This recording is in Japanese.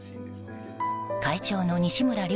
会長の西村怜